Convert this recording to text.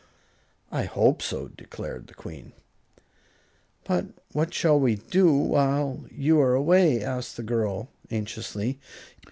"I hope so," declared the Queen. "But what shall we do while you are away?" asked the girl, anxiously.